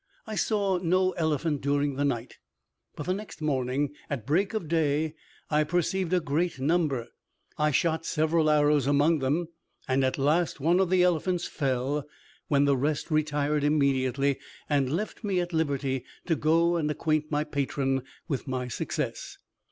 I saw no elephant during the night, but next morning, at break of day, I perceived a great number. I shot several arrows among them, and at last one of the elephants fell, when the rest retired immediately, and left me at liberty to go and acquaint my patron with my success.